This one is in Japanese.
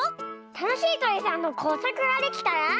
たのしいとりさんのこうさくができたら。